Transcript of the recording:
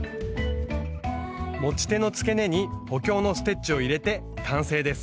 持ち手の付け根に補強のステッチを入れて完成です。